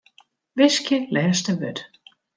Wiskje lêste wurd.